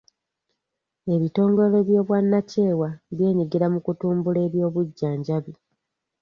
Ebitongole by'obwannakyewa byenyigira mu kutumbula eby'obujjanjabi.